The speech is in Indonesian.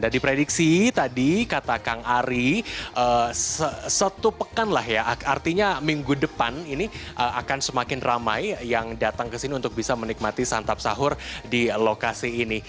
dan diprediksi tadi kata kang ari setupekan lah ya artinya minggu depan ini akan semakin ramai yang datang kesini untuk bisa menikmati santap sahur di lokasi ini